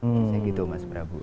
biasanya gitu mas prabu